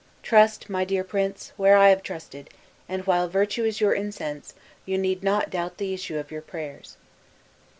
Trust, my dear prince, where I have trusted; and while virtue is your incense, you need not doubt the issue of your prayers."